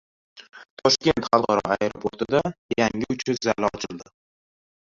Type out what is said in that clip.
Toshkent xalqaro aeroportida yangi uchish zali ochildi